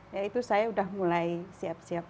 ya itu saya sudah mulai siap siap